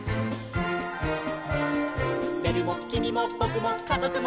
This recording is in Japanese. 「べるもきみもぼくもかぞくも」